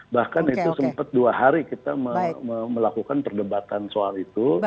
bahkan itu sempat dua hari kita melakukan perdebatan soal itu